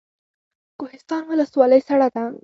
کوهستان ولسوالۍ سړه ده؟